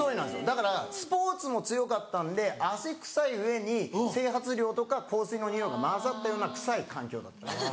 だからスポーツも強かったんで汗臭い上に整髪料とか香水のニオイが混ざったような臭い環境だった。